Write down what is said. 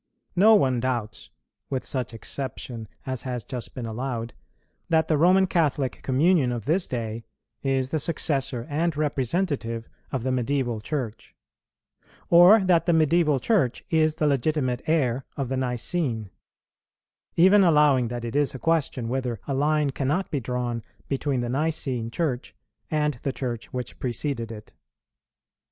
No one doubts, with such exception as has just been allowed, that the Roman Catholic communion of this day is the successor and representative of the Medieval Church, or that the Medieval Church is the legitimate heir of the Nicene; even allowing that it is a question whether a line cannot be drawn between the Nicene Church and the Church which preceded it.